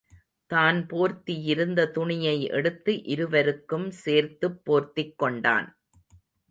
தான் போர்த்தியிருந்த துணியை எடுத்து இருவருக்கும் சேர்த்துப் போர்த்திக் கொண்டான்.